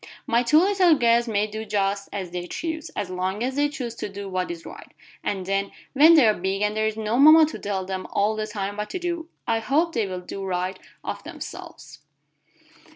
"My two little girls may do just as they choose, as long as they choose to do what is right, and then when they are big and there is no mama to tell them all the time what to do, I hope they will do right of themselves."